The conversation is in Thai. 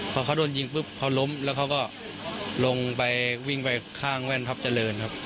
พอเขาโดนยิงปุ๊บเขาล้มแล้วเขาก็ลงไปวิ่งไปข้างแว่นทัพเจริญครับ